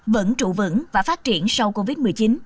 vẫn trụ vững và phát triển sau covid một mươi chín